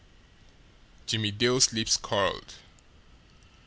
Jimmie Dale's lips curled.